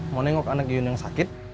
mau nengok anak iun yang sakit